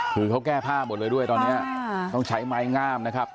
คือเขาแก้ผ้าหมดเลยด้วยตอนนี้ต้องใช้ไม้งามนะครับ